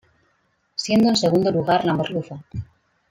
Siendo en segundo lugar la merluza.